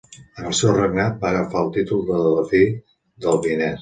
En el seu regnat, va agafar el títol de delfí del Vienès.